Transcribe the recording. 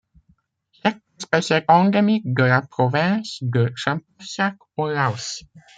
Cette espèce est endémique de la province de Champassak au Laos.